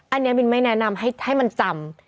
อันนี้มินไม่แนะนำให้มันจำ